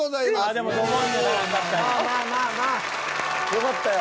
よかったよ。